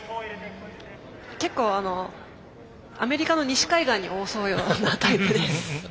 結構アメリカの西海岸に多そうなタイプです。